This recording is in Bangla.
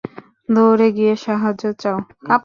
দৌঁড়ে গিয়ে সাহায্য চাও।